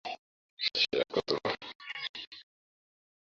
কোন দেশে একবার মাত্র বিবাহ সম্ভব, অপর দেশে বহুবিবাহ প্রচলিত।